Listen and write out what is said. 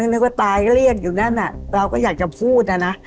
นึงนึงก็ตายก็เรียกอยู่นั่นน่ะเราก็อยากจะพูดอะนะ